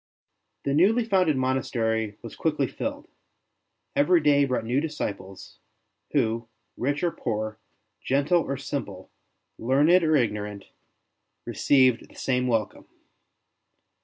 The newly founded monastery was quickly filled; every day brought new disciples, who, rich or poor, gentle or simple, learned or ignorant, received the same welcome.